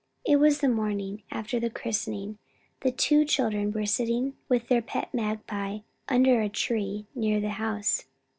It was the morning after the christening. The two children were sitting with their pet magpie under a tree near the house.